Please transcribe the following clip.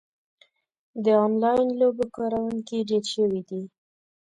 د انلاین لوبو کاروونکي ډېر شوي دي.